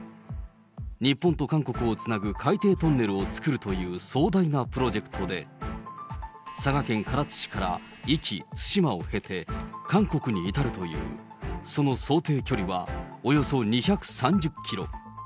日本と韓国をつなぐ海底トンネルを作るという壮大なプロジェクトで、佐賀県唐津市から壱岐、対馬を経て、韓国に至るというその想定距離はおよそ２３０キロ。